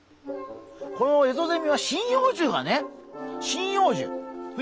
このエゾゼミは針葉樹がね